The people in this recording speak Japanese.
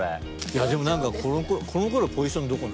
いやでも何かこのころポジションどこなの？